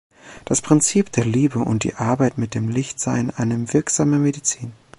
Das Prinzip der Liebe und die Arbeit mit dem Licht seien eine wirksame Medizin.